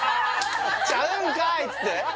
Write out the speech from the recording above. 「ちゃうんかい！」っつって？